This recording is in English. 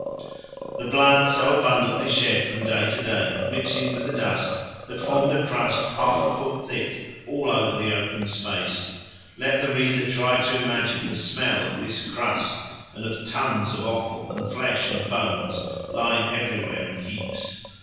The blood so abundantly shed from day to day, mixing with the dust, had formed a crust half a foot thick all over the open space: let the reader try to imagine the smell of this crust and of tons of offal and flesh and bones lying everywhere in heaps.